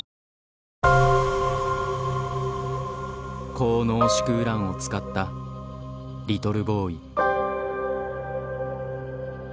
高濃縮ウランを使ったリトルボーイ。